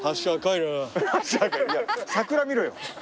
いや桜見ろよ。